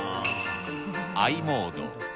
ｉモード